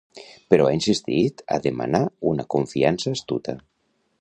Però ha insistit a demanar una confiança astuta.